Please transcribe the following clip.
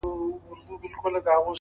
حقیقت ذهن ته ازادي ورکوي,